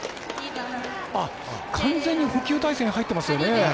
完全に捕球体勢に入ってますよね。